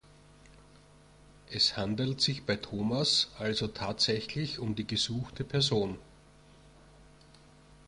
Es handelt sich bei Thomas also tatsächlich um die gesuchte Person.